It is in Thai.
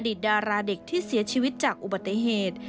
ดาราเด็กที่เสียชีวิตจากอุบัติเหตุ